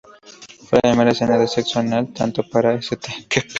Fue la primera escena de sexo anal tanto para St.